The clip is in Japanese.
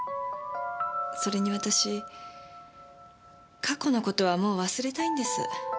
それに私過去のことはもう忘れたいんです。